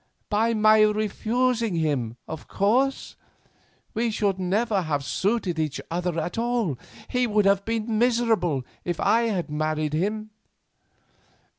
"By my refusing him, of course. We should never have suited each other at all; he would have been miserable if I had married him."